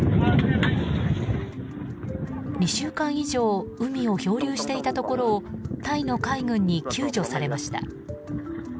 ２週間以上海を漂流していたところをタイの海軍に救助されました。